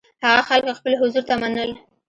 هغه خلک خپل حضور ته منل.